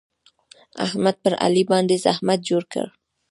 احمد پر علي باندې زحمت جوړ کړ.